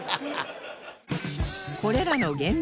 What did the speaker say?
これらの現代